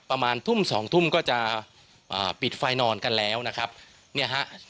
ประมาณทุ่มสองทุ่มก็จะอ่าปิดไฟนอนกันแล้วนะครับเนี่ยฮะ